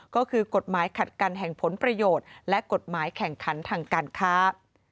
ก็คือกฎหมายขัดกันแห่งผลประโยชน์และกฎหมายแข่งขันทางการค้า